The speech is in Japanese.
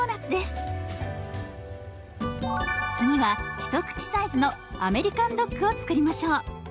次は一口サイズのアメリカンドッグを作りましょう。